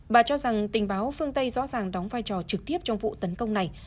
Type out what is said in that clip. bà cho rằng tình báo phương tây rõ ràng đóng vai trò trực tiếp trong vụ tấn công này